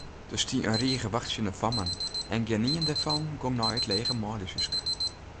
Der stie in rige wachtsjende fammen en gjinien dêrfan gong nei it lege manljushúske.